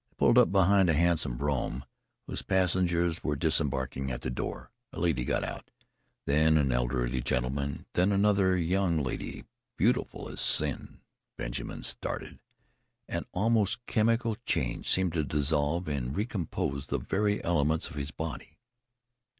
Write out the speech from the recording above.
They pulled up behind a handsome brougham whose passengers were disembarking at the door. A lady got out, then an elderly gentleman, then another young lady, beautiful as sin. Benjamin started; an almost chemical change seemed to dissolve and recompose the very elements of his body.